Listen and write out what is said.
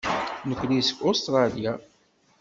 Nekkni seg Ustṛalya.